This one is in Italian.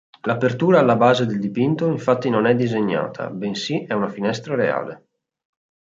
L'apertura alla base del dipinto infatti non è disegnata, bensì è una finestra reale.